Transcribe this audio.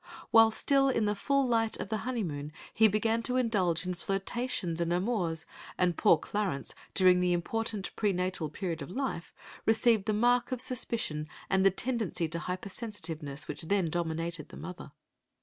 While still in the full light of the honeymoon he began to indulge in flirtations and amours, and poor Clarence, during the important prenatal period of life, received the mark of suspicion and the tendency to hypersensitiveness which then dominated the mother.